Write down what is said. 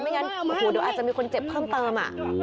อาจจะมีคนเจ็บเพิ่มเติม